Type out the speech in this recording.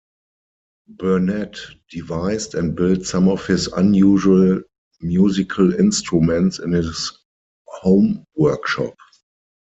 Burnette devised and built some of his unusual musical instruments in his home workshop.